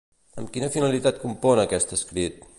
Amb quina finalitat compon aquest escrit?